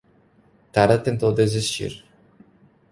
Tara tentou desistir.